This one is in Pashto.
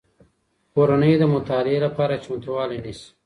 کورنۍ د مطالعې لپاره چمتووالی نیسي.